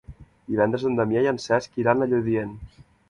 Divendres en Damià i en Cesc iran a Lludient.